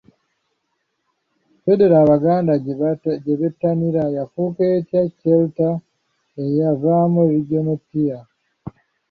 Federo Abaganda gyebettanira yafuuka etya Chalter Eyavaamu “Regional Tier?”